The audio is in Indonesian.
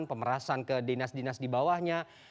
pemerasan ke dinas dinas di bawahnya